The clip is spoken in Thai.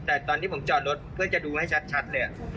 แต่ตอนที่ผมจอดรถเพื่อจะดูให้ชัดเลย